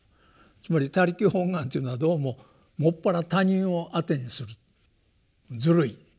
つまり他力本願っていうのはどうも専ら他人をあてにするずるいとかですね。